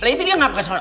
itu dia ngapain